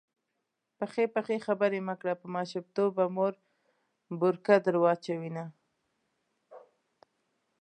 پخې پخې خبرې مه کړه_ په ماشومتوب به مور بورکه در واچوینه